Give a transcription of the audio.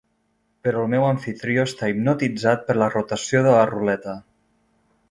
Però el meu amfitrió està hipnotitzat per la rotació de la ruleta.